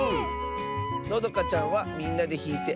のどかちゃんは「みんなでひいてあそべるね」